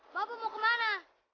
bapak mau kemana